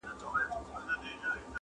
وفا سمندر ځانګړی ليکوال دئ